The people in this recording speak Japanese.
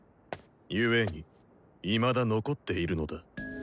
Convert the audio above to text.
故にいまだ残っているのだ。